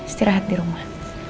setirahat di rumah